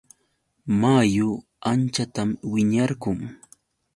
Mayu anchatam wiñarqun.